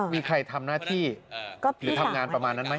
มีใครทำหน้าที่หรือทำงานประมาณนั้นไหม